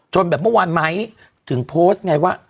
แบบเมื่อวานไม้ถึงโพสต์ไงว่า